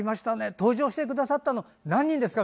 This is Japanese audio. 登場してくださったの何人ですか？